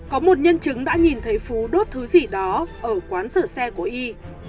có một nhân chứng đã nhìn thấy phú đốt thứ gì đó ở quán sửa xe của y